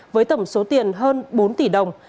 với tổng số tiền hơn bốn tỷ đồng